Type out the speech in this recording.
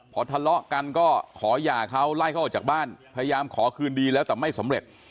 พอทะเลาะกันก็ขอหย่าเขาไล่เขาออกจากบ้านพยายามขอคืนดีแล้วแต่ไม่สำเร็จ